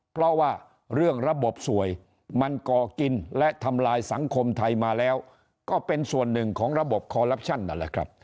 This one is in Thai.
เพราะว่าเรื่องระบบสวยมันก่อกินและทำลายสังคมไทยมาแล้วก็เป็นส่วนหนึ่งของระบบคอลลับชั่นนั่นแหละครับ